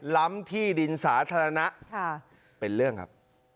ล้ำที่ดินสาธารณะเป็นเรื่องครับ